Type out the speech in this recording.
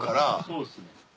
そうですね。